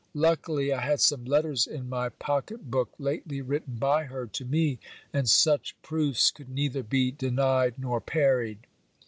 Luckily, I had some letters in my pocket book lately written by her to me, and such proofs could neither be denied nor parried.